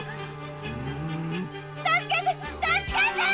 助けて‼